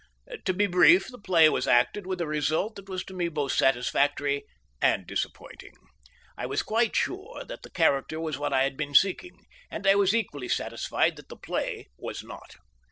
To be brief, the play was acted with a result that was to me both satisfactory and disappointing. I was quite sure that the character was what I had been seeking, and I was equally satisfied that the play was not.